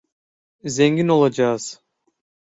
Zengin olacağız!